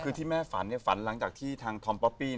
คือที่แม่ฝันฝันหลังจากที่ทางทอมป๊อปปี้